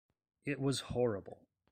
It was horrible.